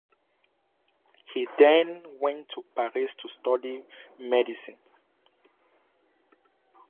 He then went to Paris to study medicine.